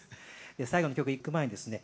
最後の曲いく前にですね